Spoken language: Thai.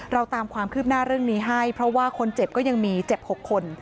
เราตามความคืบหน้าเรื่องนี้ให้เพราะว่าคนเจ็บก็ยังมีเจ็บ๖คน